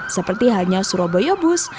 seperti hanya surabaya bus